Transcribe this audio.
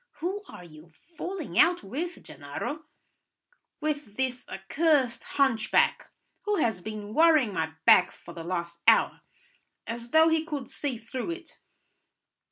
"Who are you falling out with, Gennaro?" "With this accursed hunchback, who has been worrying my back for the last hour, as though he could see through it."